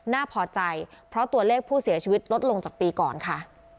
พอใจเพราะตัวเลขผู้เสียชีวิตลดลงจากปีก่อนค่ะ